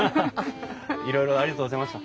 いろいろありがとうございました。